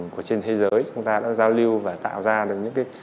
của trên thế giới chúng ta đã giao lưu và tạo ra được những cái